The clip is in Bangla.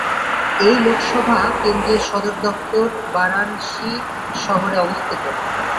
এই লোকসভা কেন্দ্রের সদর দফতর বারাণসী শহরে অবস্থিত।